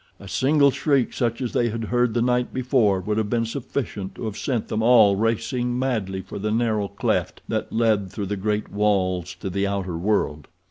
A single shriek such as they had heard the night before would have been sufficient to have sent them all racing madly for the narrow cleft that led through the great walls to the outer world.